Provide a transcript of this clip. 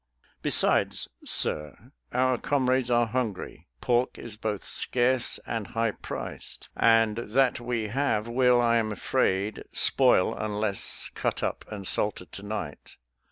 Besides, sir, our comrades are hungry, pork is both scarce and high priced, and that we have will, I am afraid, spoil unless cut up and salted to night."